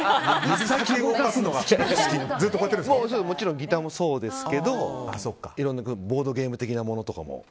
もちろんギターもそうですけどボードゲーム的なものとかも。